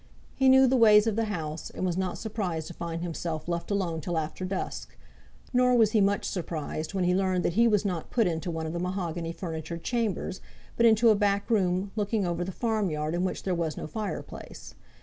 He knew the ways of the house, and was not surprised to find himself left alone till after dusk; nor was he much surprised when he learned that he was not put into one of the mahogany furnitured chambers, but into a back room looking over the farm yard in which there was no fire place.